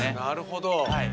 なるほど。